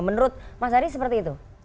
menurut mas ari seperti itu